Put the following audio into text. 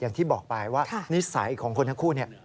อย่างที่บอกไปว่านิสัยของคนทั้งคู่เนี่ย